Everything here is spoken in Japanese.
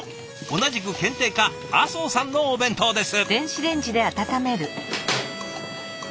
同じく検定課麻生さんのお弁当です。